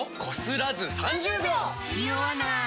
ニオわない！